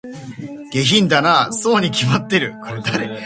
下品だなぁ、そうに決まってる